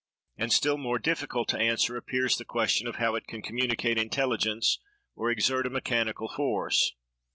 and, still more difficult to answer, appears the question, of how it can communicate intelligence, or exert a mechanical force.